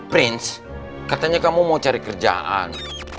prince katanya kamu mau cari kerjaan